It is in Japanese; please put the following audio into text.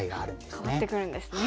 変わってくるんですね。